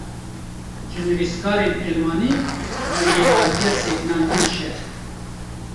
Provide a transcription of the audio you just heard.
Ji nivîskarên Elmanî, bangewaziya sekinandina şer